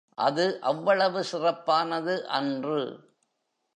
அது அவ்வளவு சிறப்பானது அன்று.